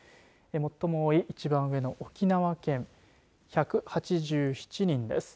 最も多い、一番上の沖縄県１８７人です。